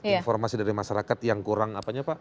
informasi dari masyarakat yang kurang